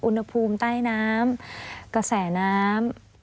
อุณหภูมิใต้น้ำกระแสน้ำ